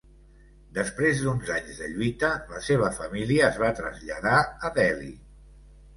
Després d'uns anys de lluita, la seva família es va traslladar a Delhi.